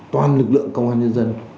toàn lực lượng công an nhân dân